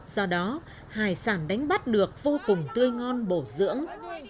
do đó hải sản đánh bắt được vô cùng tươi ngon bổ dưỡng